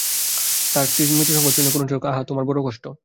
তাহার স্ত্রীর মৃত্যুসংবাদ শুনিয়া করুণস্বরে কহিল, আহা, তোমার তো বড়ো কষ্ট।